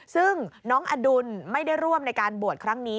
ซึ่งน้องอดุลไม่ได้ร่วมในการบวชครั้งนี้